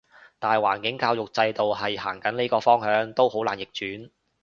大環境教育制度係行緊呢個方向，都好難逆轉